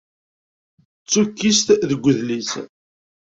D tukkist deg udlis.